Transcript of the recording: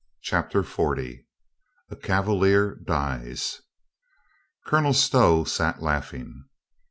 CHAPTER FORTY A CAVALIER DIES ^ OLONEL Stow sat laughing.